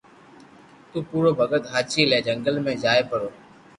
تو ڀورو ڀگت ھاچي لي جنگل جائي پرو